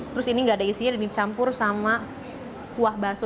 terus ini nggak ada isinya dan dicampur sama kuah bakso